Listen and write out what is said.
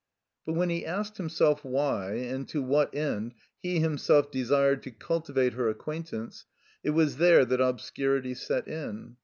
But when he asked himself why, and to what end he himself desired to cultivate her acquaintance, it was there that obscurity set in.